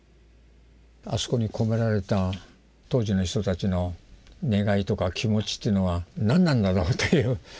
あそこに込められた当時の人たちの願いとか気持ちというのは何なんだろうという。